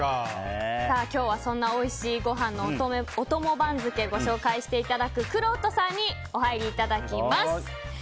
今日はそんなおいしいご飯のお供番付をご紹介していただくくろうとさんにお入りいただきます。